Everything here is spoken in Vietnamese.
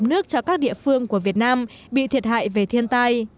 nước cho các địa phương của việt nam bị thiệt hại về thiên tai